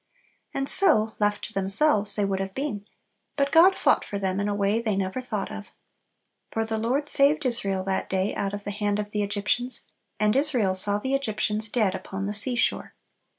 And so, left to themselves, they would have been; but God fought for them in a way they never thought of. For "the Lord saved Israel that day out of the hand of the Egyptians, and Israel saw the Egyptians dead upon the sea shore."